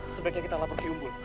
sebaiknya kita lapar ke umbun